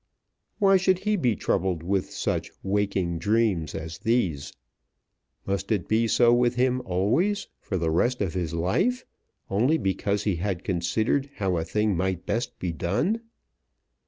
Why should he be troubled with such waking dreams as these? Must it be so with him always, for the rest of his life, only because he had considered how a thing might best be done?